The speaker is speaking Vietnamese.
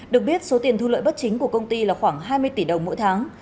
được biết số tiền thu lợi bất chính của công ty là khoảng hai mươi tỷ đồng mỗi tháng